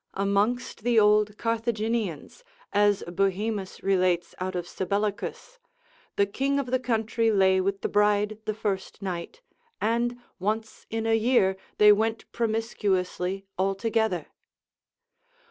Amongst the old Carthaginians, as Bohemus relates out of Sabellicus., the king of the country lay with the bride the first night, and once in a year they went promiscuously all together.